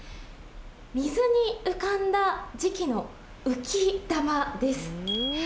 水に浮かんだ磁器の浮き球です。